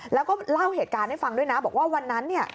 แล้วก็เล่าเหตุการณ์ให้ฟังด้วยนะบอกว่าวันนั้นเนี่ย